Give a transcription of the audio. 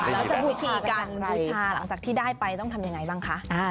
แล้ววิธีการบูชาหลังจากที่ได้ไปต้องทำยังไงบ้างคะ